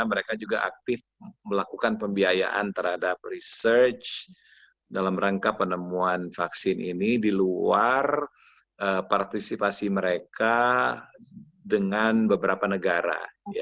mereka juga aktif melakukan pembiayaan terhadap research dalam rangka penemuan vaksin ini di luar partisipasi mereka dengan beberapa negara